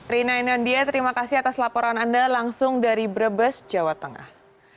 rina inandia terima kasih atas laporan anda langsung dari brebes jawa tengah